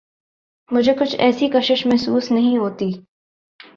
مجھے کچھ ایسی کشش محسوس نہیں ہوتی۔